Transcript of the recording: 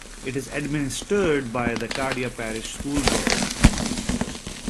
It is administered by the Acadia Parish School Board.